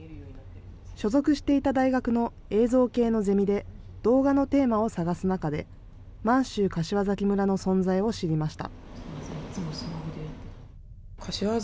所属していた大学の映像系のゼミで、動画のテーマを探す中で、満州柏崎村の存在を知りました。